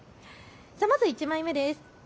まず１枚目です。